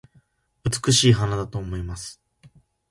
美しい花だと思います